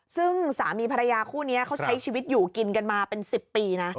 ซึ่งสามีภรรยาคู่นี้เขาใช้ชีวิตอยู่กินกันมาเป็น๑๐ปีนะ